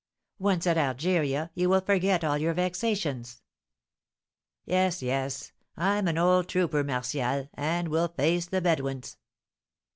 "Once at Algeria, you will forget all your vexations." "Yes, yes; I'm an old trooper, Martial, and will face the Bedouins."